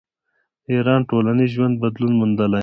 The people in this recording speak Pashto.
د ایران ټولنیز ژوند بدلون موندلی.